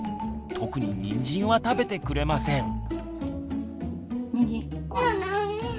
特ににんじんは食べてくれません。